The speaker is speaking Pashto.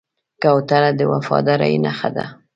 کوتره د وفادارۍ نښه ده.